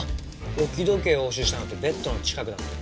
置き時計を押収したのってベッドの近くだったよね。